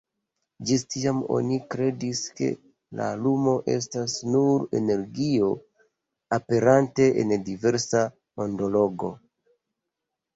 Ĝis tiam oni kredis, ke la lumo estas nur energio, aperante en diversa ondolongo.